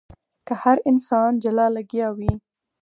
که هر انسان جلا لګيا وي.